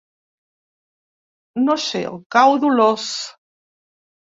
No sé on cau Dolors.